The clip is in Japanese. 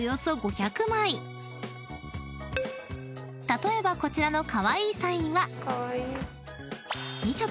［例えばこちらのカワイイサインは］